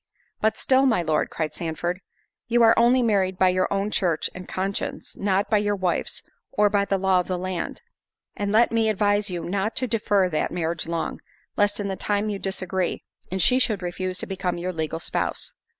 "But still, my Lord," cried Sandford, "you are only married by your own church and conscience, not by your wife's, or by the law of the land; and let me advise you not to defer that marriage long, lest in the time you disagree, and she should refuse to become your legal spouse."